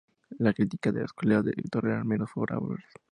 La crítica de los colegas del director eran menos favorables.